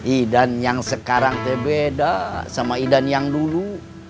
ini idan yang sekarang terbeda sama idan yang dulu